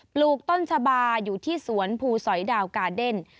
ปลูกต้นชะบาอยู่ที่สวนภูสอยดาวกาเดน